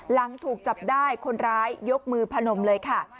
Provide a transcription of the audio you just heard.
หลังถูกจับได้คนร้ายยกมือพนมเลยค่ะ